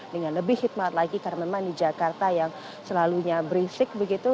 dengan lebih hikmat lagi karena memang di jakarta yang selalunya berisik begitu